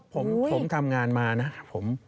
ผมทำงานมานะครับผม